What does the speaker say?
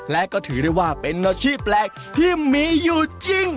และก็ถือได้ว่าเป็นอาชีพแปลกที่มีอยู่จริง